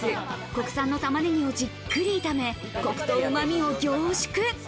国産の玉ねぎを、じっくりと炒め、コクとうまみを凝縮。